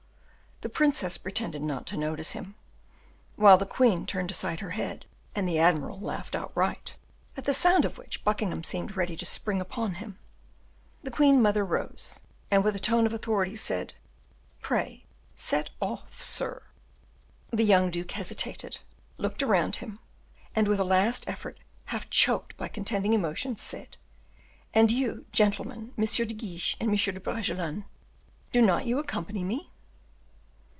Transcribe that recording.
The princess pretended not to notice him, while the queen turned aside her head, and the admiral laughed outright, at the sound of which Buckingham seemed ready to spring upon him. The queen mother rose, and with a tone of authority said, "Pray set off, sir." The young duke hesitated, looked around him, and with a last effort, half choked by contending emotions, said, "And you, gentlemen, M. de Guiche and M. de Bragelonne, do not you accompany me?"